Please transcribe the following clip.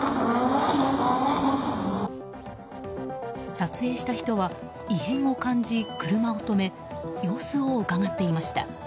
撮影した人は異変を感じ、車を止め様子をうかがっていました。